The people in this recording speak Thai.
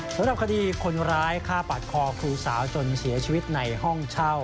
สำหรับคดีคนร้ายฆ่าปาดคอครูสาวจนเสียชีวิตในห้องเช่า